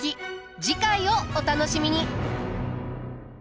次回をお楽しみに。